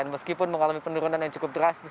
meskipun mengalami penurunan yang cukup drastis